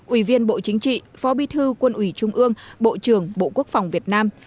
ủy viên bộ chính trị phó bi thư quân ủy trung ương bộ trưởng bộ quốc phòng việt nam